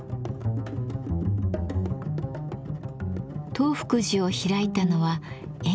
東福寺を開いたのは円爾。